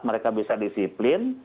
mereka bisa disiplin